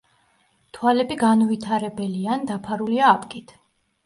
თვალები განუვითარებელია ან დაფარულია აპკით.